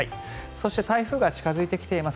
そして台風が近付いてきています